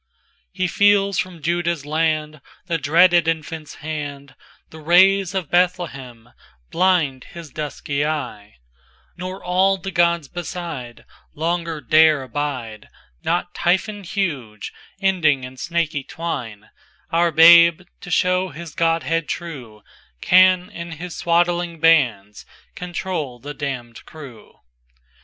XXVHe feels from Juda's landThe dreaded Infant's hand; The rays of Bethlehem blind his dusky eyn; Nor all the gods besideLonger dare abide, Not Typhon huge ending in snaky twine:Our Babe, to show his Godhead true, Can in his swaddling bands control the damnèd crew.